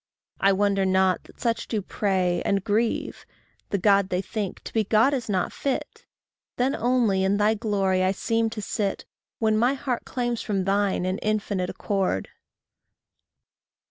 I wonder not that such do pray and grieve The God they think, to be God is not fit. Then only in thy glory I seem to sit, When my heart claims from thine an infinite accord.